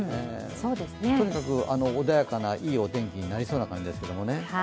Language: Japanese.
とにかく穏やかないいお天気になりそうな感じですけれども。